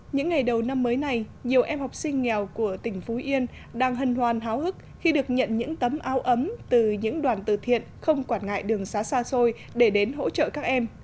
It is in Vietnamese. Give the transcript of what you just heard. những ngày đầu năm mới này nhiều em học sinh nghèo của tỉnh phú yên đang hân hoan háo hức khi được nhận những tấm áo ấm từ những đoàn từ thiện không quản ngại đường xá xa xôi để đến hỗ trợ các em